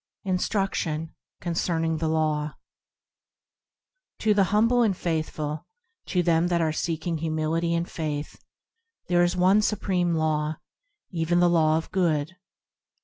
Instruction, concerning the Law TO the humble and the faithful ; To them that are seeking humility and faith,– There is one Supreme Law, Even the Law of Good.